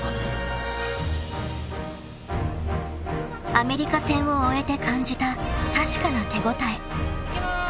［アメリカ戦を終えて感じた確かな手応え］いきます。